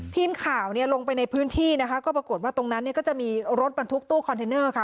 ทีมข่าวเนี่ยลงไปในพื้นที่นะคะก็ปรากฏว่าตรงนั้นเนี่ยก็จะมีรถบรรทุกตู้คอนเทนเนอร์ค่ะ